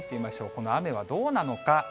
この雨はどうなのか。